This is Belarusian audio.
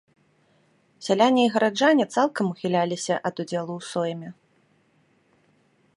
Сяляне і гараджане цалкам ухіляліся ад удзелу ў сойме.